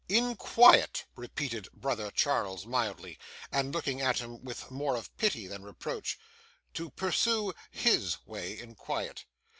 'In quiet!' repeated brother Charles mildly, and looking at him with more of pity than reproach. 'To pursue HIS way in quiet!